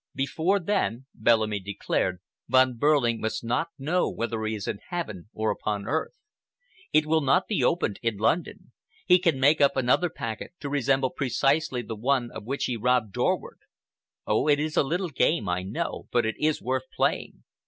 "Before then," Bellamy declared, "Von Behrling must not know whether he is in heaven or upon earth. It will not be opened in London. He can make up another packet to resemble precisely the one of which he robbed Dorward. Oh! it is a difficult game, I know, but it is worth playing.